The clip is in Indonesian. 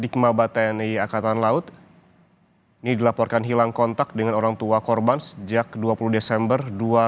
di kemabat tni angkatan laut ini dilaporkan hilang kontak dengan orang tua korban sejak dua puluh desember dua ribu dua puluh